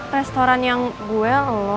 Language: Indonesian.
restoran yang gue